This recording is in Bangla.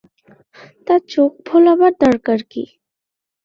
তা চোখ ভোলাবার দরকার কী।